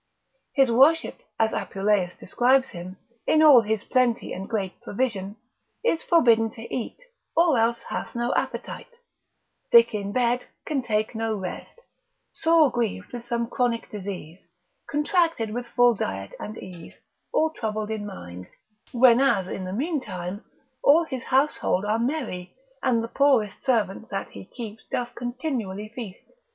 His worship, as Apuleius describes him, in all his plenty and great provision, is forbidden to eat, or else hath no appetite, (sick in bed, can take no rest, sore grieved with some chronic disease, contracted with full diet and ease, or troubled in mind) when as, in the meantime, all his household are merry, and the poorest servant that he keeps doth continually feast.